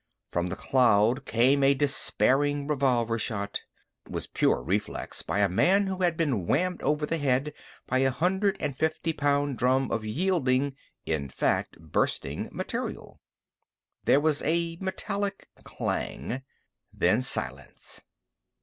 From the cloud came a despairing revolver shot. It was pure reflex action by a man who had been whammed over the head by a hundred and fifty pound drum of yielding in fact bursting material. There was a metallic clang. Then silence.